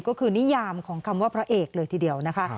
ก็คือนิยามของคำว่าพระเอกเลยทีเดียวนะคะ